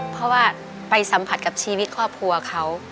เพราะว่าไปสัมผัสกับชีวิตครอบครัวเขา